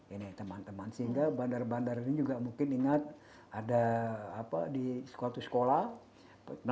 ini teman teman sehingga bandar bandar ini juga mungkin ingat ada apa di sekolah